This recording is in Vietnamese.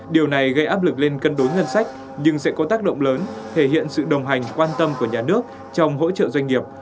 điều này gây áp lực lên cân đối ngân sách nhưng sẽ có tác động lớn thể hiện sự đồng hành quan tâm của nhà nước trong hỗ trợ doanh nghiệp